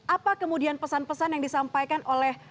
apa kemudian pesan pesan yang disampaikan oleh